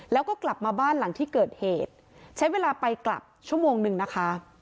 แล้วก็กลับมาบ้านหลังที่เกิดเหตุใช้เวลาไปกลับชั่วโมงนึงนะคะ